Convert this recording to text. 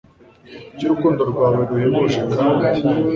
cy'urukundo rwawe ruhebuje, kandi